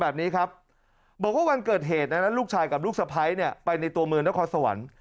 แบบนี้ครับบอกว่าวันเกิดเหตุนั้นลูกชายกับลูกสะพ้ายเนี่ยไปในตัวเมืองนครสวรรค์